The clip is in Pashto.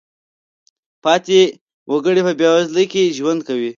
پاتې وګړي په بېوزلۍ کې ژوند کوي.